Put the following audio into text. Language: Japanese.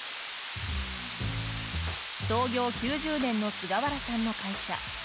創業９０年の菅原さんの会社。